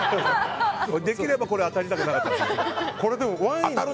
できれば当たりたくなかった。